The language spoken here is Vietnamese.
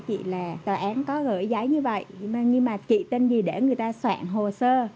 chị là tòa án có gửi giá như vậy nhưng mà chị tin gì để người ta soạn hồ sơ